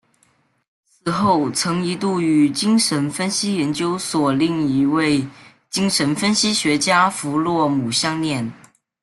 此后曾一度与精神分析研究所另一位精神分析学家弗洛姆相恋。